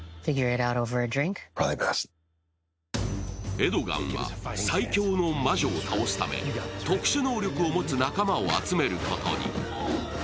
エドガンは最強の魔女を倒すため特殊能力を持つ仲間を集めることに。